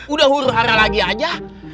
udah urara lagi aja